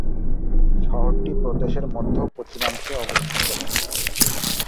শহরটি প্রদেশের মধ্য-পশ্চিমাংশে অবস্থিত।